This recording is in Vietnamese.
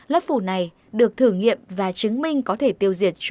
lớp phủ này được thử nghiệm và chứng minh có thể tiêu diệt chủng